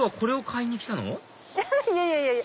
いやいやいやいや！